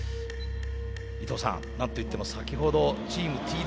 伊藤さん何といっても先ほどチームＴ大が。